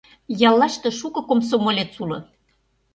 Яллаште шуко комсомолец уло.